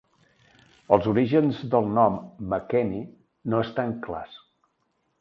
Els orígens del nom Makeni no estan clars.